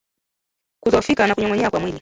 Kudhoofika na kunyong'onyea kwa mwili